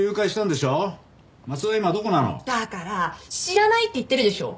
だから知らないって言ってるでしょ！？